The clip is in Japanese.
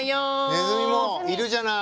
ねずみもいるじゃない。